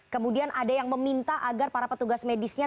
kemudian ada yang meminta agar para petugas medisnya